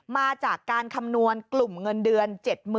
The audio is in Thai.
มาจากการคำนวณกลุ่มเงินเดือน๗๐๐